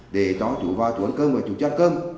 để cho chú vào chú ăn cơm rồi chú chết cơm